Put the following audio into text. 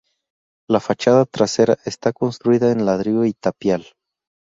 La fachada trasera está construida en ladrillo y tapial.